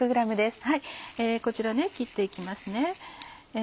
こちら切って行きますね。